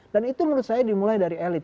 dan itu menurut saya dimulai dari elit